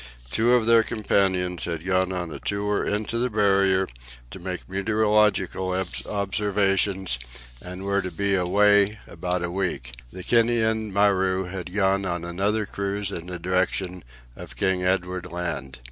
Two of their companions had gone on a tour into the Barrier to make meteorological observations, and were to be away about a week. The Kainan Maru had gone on another cruise in the direction of King Edward Land.